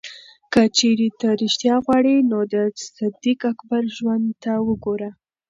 که چېرې ته ریښتیا غواړې، نو د صدیق اکبر ژوند ته وګوره.